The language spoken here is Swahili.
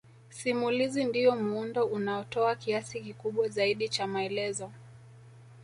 Simulizi ndiyo muundo unaotoa kiasi kikubwa zaidi cha maelezo